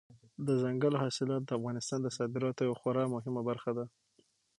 دځنګل حاصلات د افغانستان د صادراتو یوه خورا مهمه برخه ده.